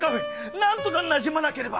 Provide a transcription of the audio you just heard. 何とかなじまなければ！